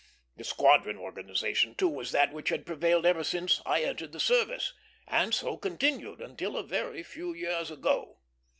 The squadron organization, too, was that which had prevailed ever since I entered the service, and so continued until a very few years ago.